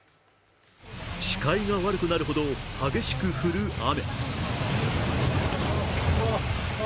視界が悪くなるほど激しく降る雨。